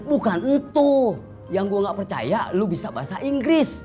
bukan ento yang gue gak percaya lu bisa bahasa inggris